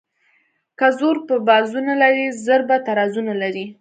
که زور په بازو نه لري زر په ترازو نه لري.